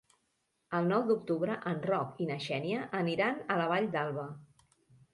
El nou d'octubre en Roc i na Xènia aniran a la Vall d'Alba.